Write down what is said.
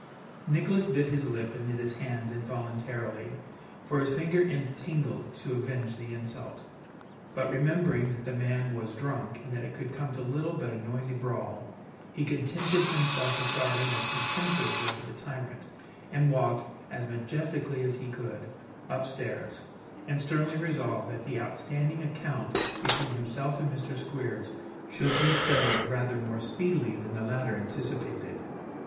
Nicholas bit his lip and knit his hands involuntarily, for his finger ends tingled to avenge the insult; but remembering that the man was drunk, and that it could come to little but a noisy brawl, he contented himself with darting a contemptuous look at the tyrant and walked, as majestically as he could, upstairs, and sternly resolved that the outstanding account between himself and Mr. Squeers should be settled rather more speedily than the latter anticipated.